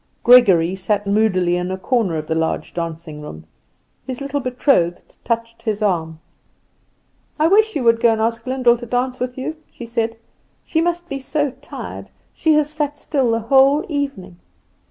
Gregory sat moodily in a corner of the large dancing room. His little betrothed touched his arm. "I wish you would go and ask Lyndall to dance with you," she said; "she must be so tired; she has sat still the whole evening."